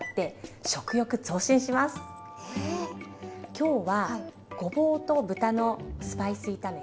今日はごぼうと豚のスパイス炒めと。